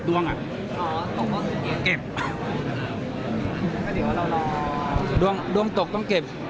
ออกแล้วก็เก็บ